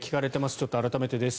ちょっと改めてです。